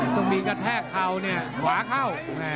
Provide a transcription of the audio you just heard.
ต้องมีกระแทกเข่าเนี่ยขวาเข้า